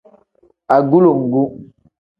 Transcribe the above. Agulongu.